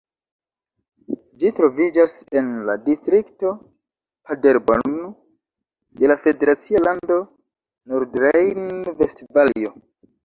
Ĝi troviĝas en la distrikto Paderborn de la federacia lando Nordrejn-Vestfalio.